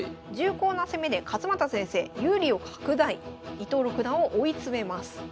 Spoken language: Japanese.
伊藤六段を追い詰めます。